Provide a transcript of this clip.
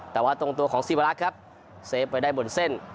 แต่ว่าตรงตัวของศิวรักษ์ครับเซฟไปได้บนเส้น